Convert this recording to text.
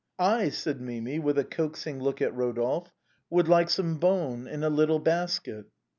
" I," said Mimi, with a coaxing look at Rodolphe, " would like some Beaune, in a little basket."